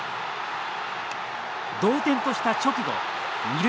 同点とした直後二塁